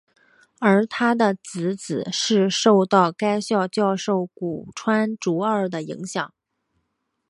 而他的姊姊是受到该校教授古川竹二的影响。